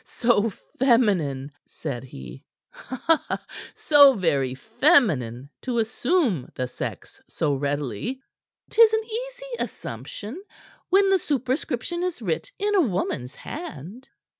"So feminine!" said he. "Ha, ha! So very feminine to assume the sex so readily." "'Tis an easy assumption when the superscription is writ in a woman's hand."